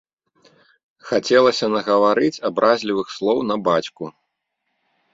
Хацелася нагаварыць абразлівых слоў на бацьку.